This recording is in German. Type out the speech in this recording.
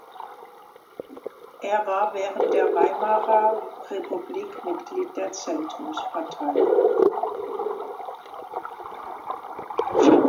Er war während der Weimarer Republik Mitglied der Zentrumspartei.